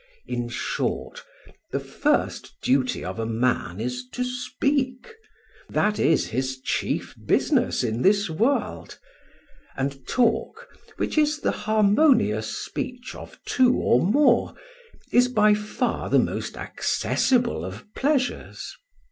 In short, the first duty of a man is to speak; that is his chief business in this world; and talk, which is the harmonious speech of two or more, is by far the most accessible of pleasures.